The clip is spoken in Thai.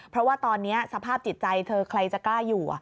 เพราะว่าตอนนี้สภาพจิตใจเธอใครจะกล้าอยู่